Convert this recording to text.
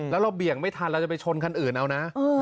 แล้วเราเบี่ยงไม่ทันเราจะไปชนคันอื่นเอานะ